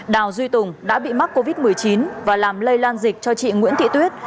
đào duy tùng đã bị mắc covid một mươi chín và làm lây lan dịch cho chị nguyễn thị tuyết